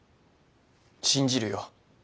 信じるよ。